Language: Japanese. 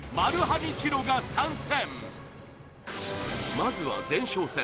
まずは前哨戦